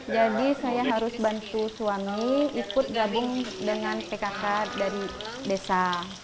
jadi saya harus bantu suami ikut gabung dengan phk dari desa